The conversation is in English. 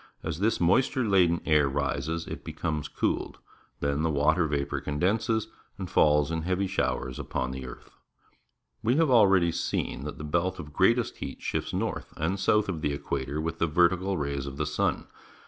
As this moisture laden air rises, it becomes cooled. Then the water vapour condenses and falls in heavy showers upon the earth. We have already seen that the belt of greatest heat shifts north and south of the equator with the vertical rays of the sun.